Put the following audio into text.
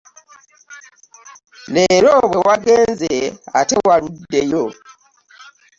Leero bwe wagenze ate waluddeyo.